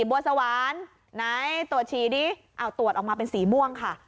บัวสวรรค์ไหนตรวจฉี่ดิเอาตรวจออกมาเป็นสีม่วงค่ะ